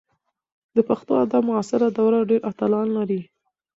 د پښتو ادب معاصره دوره ډېر اتلان لري.